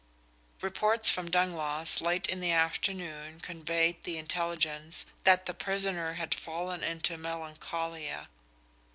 Reports from Dangloss late in the afternoon conveyed the intelligence that the prisoner had fallen into melancholia.